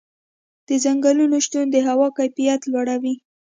د ځنګلونو شتون د هوا کیفیت لوړوي.